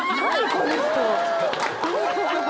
この人。